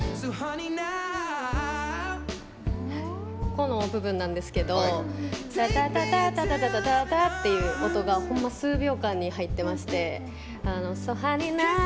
この部分なんですけど「タタタタ」っていう音がほんま数秒間に入ってまして。